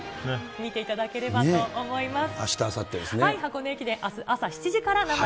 見ていただければと思います。